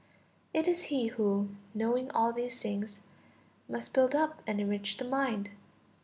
It is he who, knowing all these things, must build up and enrich the mind.